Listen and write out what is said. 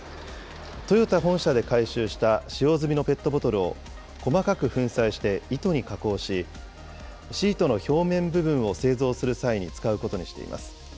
トヨタ本社で回収した使用済みのペットボトルを細かく粉砕して糸に加工し、シートの表面部分を製造する際に使うことにしています。